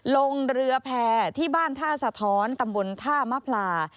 ลงเรือแพร่ที่บ้านท่าสะท้อนตำบลท่ามะพลา